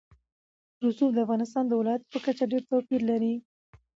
رسوب د افغانستان د ولایاتو په کچه ډېر توپیر لري.